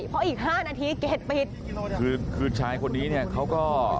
เพราะอีกห้านาทีเกรดปิดคือคือชายคนนี้เนี่ยเขาก็